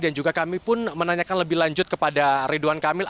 dan juga kami pun menanyakan lebih lanjut kepada ridwan kamil